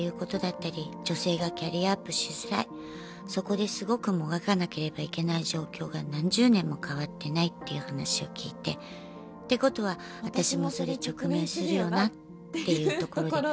そこですごくもがかなければいけない状況が何十年も変わってないっていう話を聞いて。ってことは私もそれ直面するよなっていうところで。